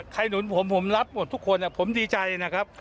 หนุนผมผมรับหมดทุกคนผมดีใจนะครับ